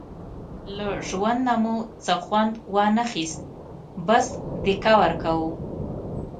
له ژوند نه مو څه وخوند وانخیست، بس دیکه ورکوو.